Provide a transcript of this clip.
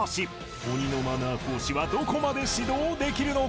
鬼のマナー講師はどこまで指導できるのか？